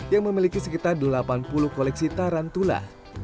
yang memiliki sekitar delapan puluh koleksi tarantula